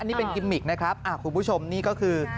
นี่เป็นกิมมิกนะครับคุณผู้ชมนี่ก็คือ